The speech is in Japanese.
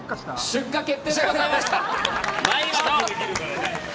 出荷決定でございます。